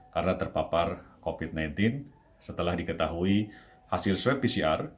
karena terpapar covid sembilan belas setelah diketahui hasil swab pcr